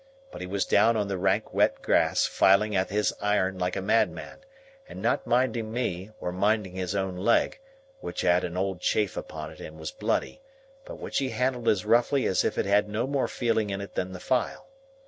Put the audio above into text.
But he was down on the rank wet grass, filing at his iron like a madman, and not minding me or minding his own leg, which had an old chafe upon it and was bloody, but which he handled as roughly as if it had no more feeling in it than the file.